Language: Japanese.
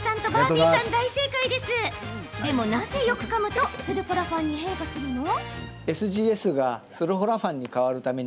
でもなぜ、よくかむとスルフォラファンに変化するの？